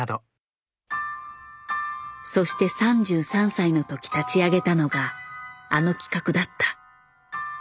そして３３歳の時立ち上げたのがあの企画だった。